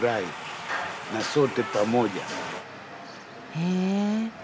へえ。